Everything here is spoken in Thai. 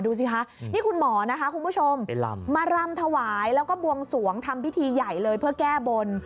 ดูสิคะนี่คุณหมอนะคะคุณผู้ชมมารำถวายแล้วก็บวงสวงทำพิธีใหญ่เลยเพื่อแก้บน